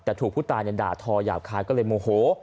แต่ถูกผู้ตายด่าทอหยาบคายก็เลยโมโห